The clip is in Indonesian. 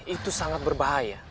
itu sangat berbahaya